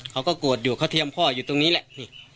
เขาก็โกรธอยู่เขาเทียมพ่ออยู่ตรงนี้แหละพี่